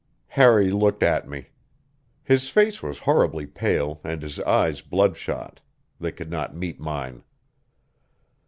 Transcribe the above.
Harry looked at me. His face was horribly pale and his eyes bloodshot; they could not meet mine.